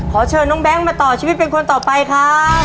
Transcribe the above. ขอเชิญน้องแบงค์มาต่อชีวิตเป็นคนต่อไปครับ